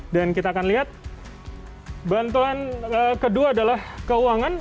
dan kita akan lihat bantuan kedua adalah keuangan